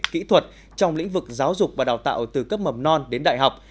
kỹ thuật trong lĩnh vực giáo dục và đào tạo từ cấp mầm non đến đại học